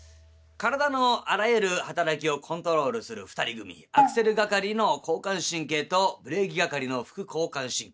体のあらゆる働きをコントロールする２人組アクセル係の交感神経とブレーキ係の副交感神経。